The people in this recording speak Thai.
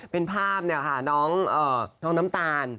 เป็นภาพน้องน้ำตาล